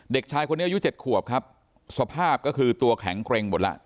เด็กชายคนนี้อายุเจ็ดขวบครับสภาพก็คือตัวแข็งเกร็งหมดแล้ว